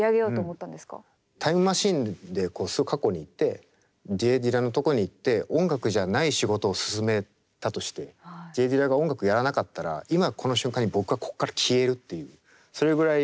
タイムマシンで過去に行ってＪ・ディラのとこに行って音楽じゃない仕事をすすめたとしてＪ・ディラが音楽やらなかったら今この瞬間に僕はこっから消えるっていうそれぐらい。